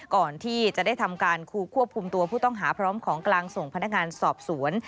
ก่อนที่จะได้ทำการคูควบคุมตัวผู้ต้องหาพร้อมของกลางส่งพนักงานสอบสวน